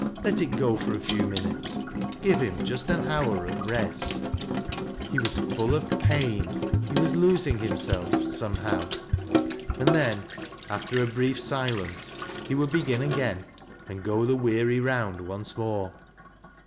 Let it go for a few min utes. Give him just an hour of rest. He was full of pain ; he was losing himself, somehow. And then, after a brief silence, he would begin again and go the weary round once more.